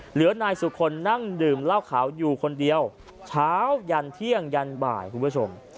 เหลือนายสุคลนั่งดื่มเหล้าขาวอยู่คนเดียวเช้ายันเที่ยงยันบ่ายคุณผู้ชม